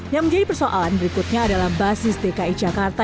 yang menjadi persoalan berikutnya adalah basis dki jakarta